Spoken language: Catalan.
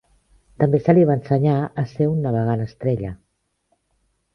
També se li va ensenyar a ser un navegant estrella.